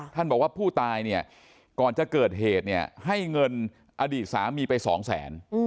บอกว่าผู้ตายเนี่ยก่อนจะเกิดเหตุเนี่ยให้เงินอดีตสามีไปสองแสน